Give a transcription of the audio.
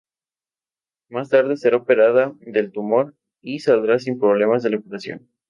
Más tarde será operada del tumor, y saldrá sin problemas de la operación.